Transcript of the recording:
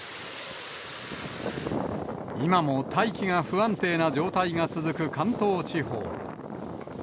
今も大気が不安定な状態が続く関東地方。